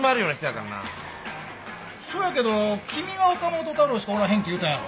そやけど君が岡本太郎しかおらへんって言うたんやろ。